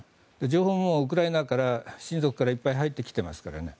情報もウクライナの親族からいっぱい入ってきますからね。